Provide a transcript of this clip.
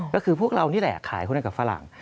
ก็คือพวกเรานี่แหละขายหุ้นให้กับฝรั่ง